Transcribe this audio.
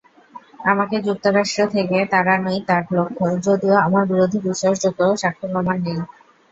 আমাকে যুক্তরাষ্ট্র থেকে তাড়ানোই তাঁর লক্ষ্য, যদিও আমার বিরুদ্ধে বিশ্বাসযোগ্য সাক্ষ্য-প্রমাণ নেই।